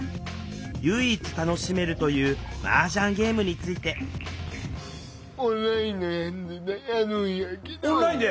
唯一楽しめるというマージャンゲームについてオンラインで！